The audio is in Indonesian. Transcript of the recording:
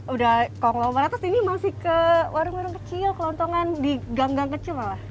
udah konglomerates ini masih ke warung warung kecil kelontongan di gang gang kecil malah